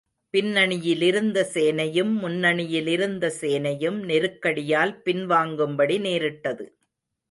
பின்னணியிலிருந்த சேனையும், முன்னணியிலிருந்த சேனையும் நெருக்கடியால் பின் வாங்கும்படி நேரிட்டது.